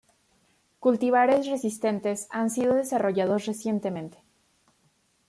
Cultivares resistentes han sido desarrollados recientemente.